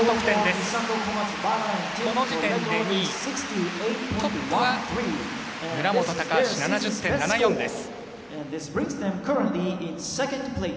この時点で２位トップは村元橋７０．７４です。